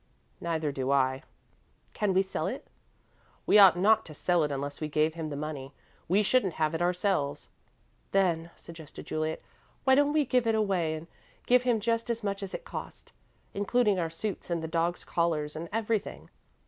"Neither do I." "Can we sell it?" "We ought not to sell it unless we gave him the money. We shouldn't have it ourselves." "Then," suggested Juliet, "why don't we give it away and give him just as much as it cost, including our suits and the dogs' collars and everything?"